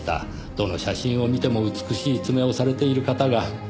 どの写真を見ても美しい爪をされている方が。